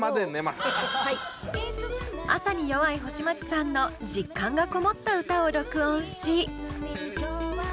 朝に弱い星街さんの実感がこもった歌を録音し。